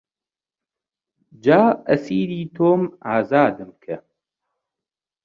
جا ئەسیری تۆم ئازادم کە